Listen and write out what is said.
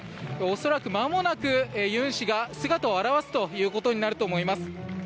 恐らくまもなく尹氏が姿を現すということになると思います。